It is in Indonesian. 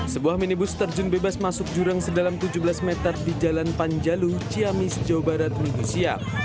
sebuah minibus terjun bebas masuk jurang sedalam tujuh belas meter di jalan panjalu ciamis jawa barat minggu siang